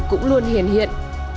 cũng luôn hiển hiện